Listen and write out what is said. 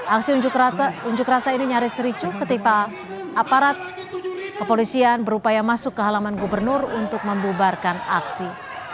aksi unjuk rasa ini nyaris ricu ketika aparat kepolisian berupaya masuk ke halaman gubernur untuk membubarkan aksi